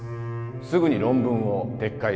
すぐに論文を撤回したまえ。